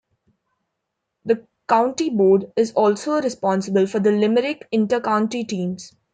The county board is also responsible for the Limerick inter-county teams.